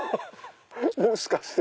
もしかして。